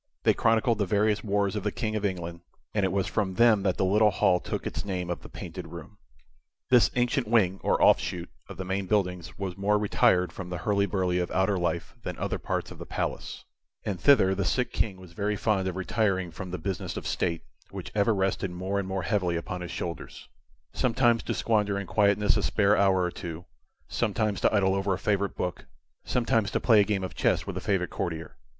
They chronicled the various wars of the King of England, and it was from them that the little hall took its name of the Painted Room. This ancient wing, or offshoot, of the main buildings was more retired from the hurly burly of outer life than other parts of the palace, and thither the sick King was very fond of retiring from the business of State, which ever rested more and more heavily upon his shoulders, sometimes to squander in quietness a spare hour or two; sometimes to idle over a favorite book; sometimes to play a game of chess with a favorite courtier.